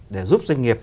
để giúp doanh nghiệp